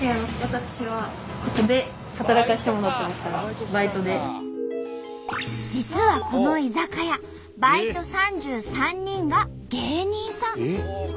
私は実はこの居酒屋バイト３３人が芸人さん。